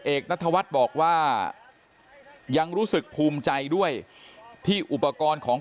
นัทวัฒน์บอกว่ายังรู้สึกภูมิใจด้วยที่อุปกรณ์ของ